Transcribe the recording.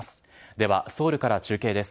では、ソウルから中継です。